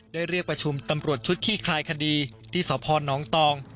เรียกประชุมตำรวจชุดขี้คลายคดีที่สพนตอง